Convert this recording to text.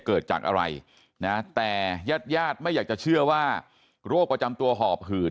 เกิดจากอะไรนะแต่ญาติญาติไม่อยากจะเชื่อว่าโรคประจำตัวหอบหืด